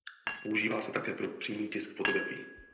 Používá se také pro přímý tisk fotografií.